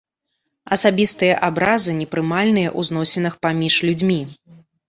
Асабістыя абразы непрымальныя ў зносінах паміж людзьмі.